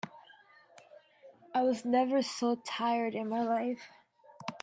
I was never so tired in my life.